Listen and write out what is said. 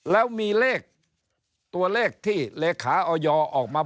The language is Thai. แล้วมีเลขตัวเลขที่เลขาออยออกมา